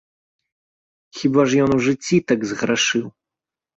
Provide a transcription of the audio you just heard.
Хіба ж ён у жыцці так саграшыў!